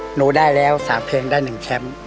หนูได้แล้ว๓เพลงได้๑แชมป์